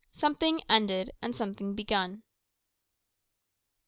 Something Ended and Something Begun.